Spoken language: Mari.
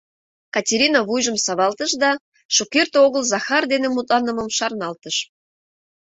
Катерина вуйжы савалтыш да шукерте огыл Захар дене мутланымым шарналтыш.